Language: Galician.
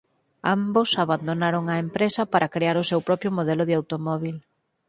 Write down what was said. Ambos abandonaron a empresa para crear o seu propio modelo de automóbil.